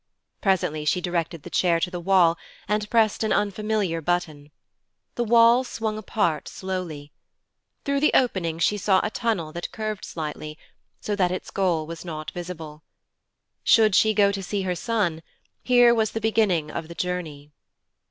Presently she directed the chair to the wall, and pressed an unfamiliar button. The wall swung apart slowly. Through the opening she saw a tunnel that curved slightly, so that its goal was not visible. Should she go to see her son, here was the beginning of the journey.